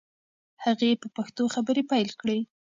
هغې په پښتو خبرې پیل کړې.